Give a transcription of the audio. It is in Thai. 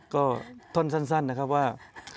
ก็ท่อนสั้นนะครับว่า